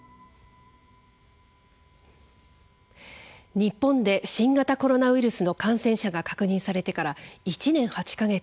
日本で新型コロナウイルスの感染者が確認されてから１年８か月。